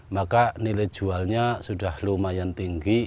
maka nilai jualnya sudah lumayan tinggi